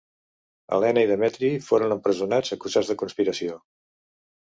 Elena i Demetri foren empresonats acusats de conspiració.